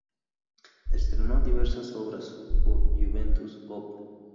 Estrenó diversas obras: “Juventus, Op.